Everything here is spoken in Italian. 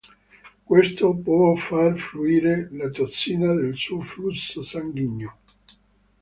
Questo può far fluire la tossina nel suo flusso sanguigno.